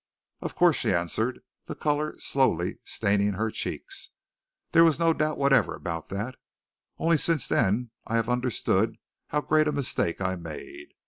"Of course," she answered, the color slowly staining her cheeks. "There was no doubt whatever about that. Only since then I have understood how great a mistake I made.